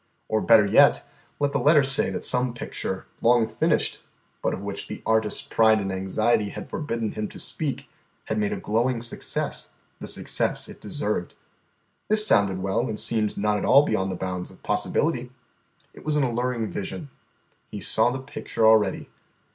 Or, better yet, let the letter say that some picture, long finished, but of which the artist's pride and anxiety had forbidden him to speak, had made a glowing success, the success it deserved. This sounded well, and seemed not at all beyond the bounds of possibility. It was an alluring vision. He saw the picture already.